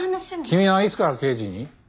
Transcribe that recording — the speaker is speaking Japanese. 君はいつから刑事に？